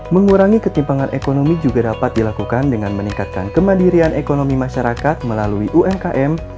mengurangi ketimpangan ekonomi juga dapat dilakukan dengan meningkatkan kemandirian ekonomi masyarakat melalui umkm